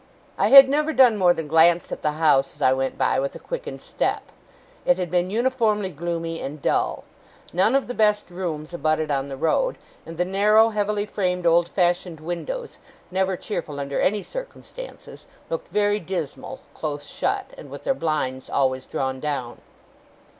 I had never done more than glance at the house, as I went by with a quickened step. It had been uniformly gloomy and dull. None of the best rooms abutted on the road; and the narrow, heavily framed old fashioned windows, never cheerful under any circumstances, looked very dismal, close shut, and with their blinds always drawn down.